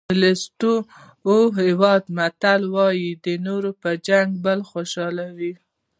د لېسوتو هېواد متل وایي د نورو په جنګ بل خوشحاله وي.